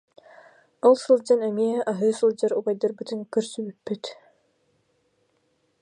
Ол сылдьан эмиэ аһыы сылдьар убайдарбытын көрсүбүппүт